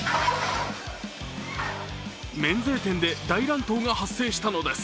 免税店で大乱闘が発生したのです。